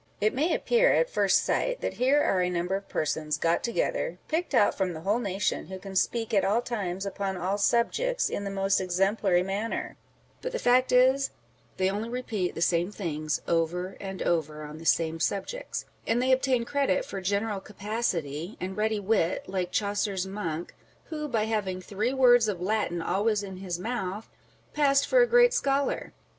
It may appear, at first sight, that here are a number of persons got together, picked out from the whole nation, who can speak at all times upon all subjects in the most exemplary manner ; but the fact is, they only repeat the same things over and over on the same subjects, â€" and they obtain credit for general capacity and ready wit, like Chaucer's Monk, who, by having three words of Latin always in his mouth, passed for a great scholar.